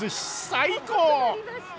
最高！